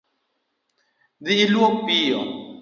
Dhii iluok piyo